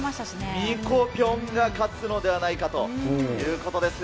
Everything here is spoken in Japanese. ミコぴょんが勝つのではないかということですね。